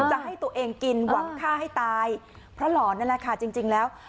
จะให้ตัวเองกินหวังฆ่าให้ตายเพราะหลอนนั่นแหละค่ะจริงแล้ว